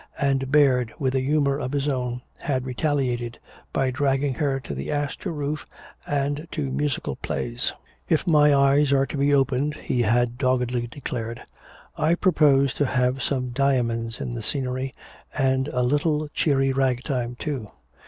And Baird, with a humor of his own, had retaliated by dragging her to the Astor Roof and to musical plays. "If my eyes are to be opened," he had doggedly declared, "I propose to have some diamonds in the scenery, and a little cheery ragtime, too.